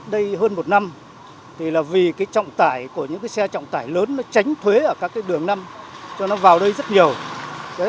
đây hơn một năm thì là vì cái trọng tải của những cái xe trọng tải lớn nó tránh thuế ở các đường năm cho nó vào đây rất nhiều